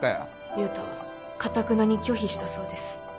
雄太はかたくなに拒否したそうです